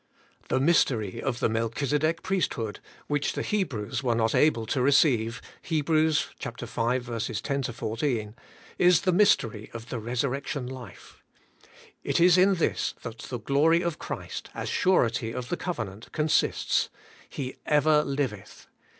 The mystery of the Melchisedec priesthood, which the Hebrews were not able to receive {Hei, v. 10 lJi)^ is the mystery of the resurrection life. It is in this that the glory of Christ as surety of the covenant con sists : He ever liveth.